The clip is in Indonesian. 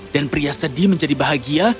dan pria sedih menjadi bahagia